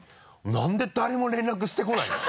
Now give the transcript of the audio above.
何で誰も連絡してこないの？